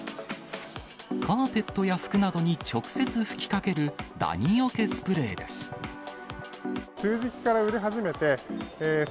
カーペットや服などに直接吹きかける、ダニよけスプレーです。